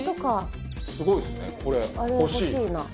すごいですねこれ。